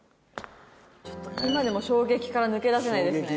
ちょっと今でも衝撃から抜け出せないですね。